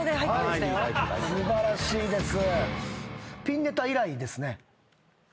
素晴らしいです。